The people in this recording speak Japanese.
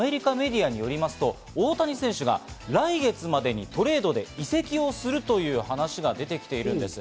現地アメリカメディアによりますと、大谷選手が来月までにトレードで移籍をするという話が出てきているんです。